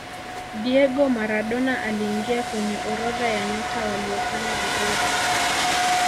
diego maradona aliingia kwenye orodha ya nyota waliofanya vizuri